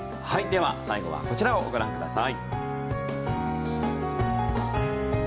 最後はこちらをご覧ください。